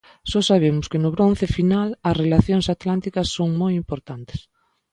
Só sabemos que no Bronce final as relacións atlánticas son moi importantes.